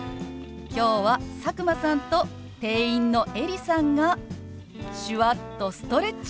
今日は佐久間さんと店員のエリさんが手話っとストレッチ！